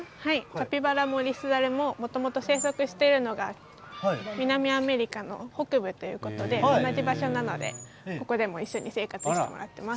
カピバラもリスザルも、もともと生息しているのが南アメリカの北部ということで、同じ場所なので、ここでも一緒に生活してもらっています。